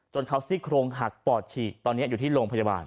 เขาซี่โครงหักปอดฉีกตอนนี้อยู่ที่โรงพยาบาล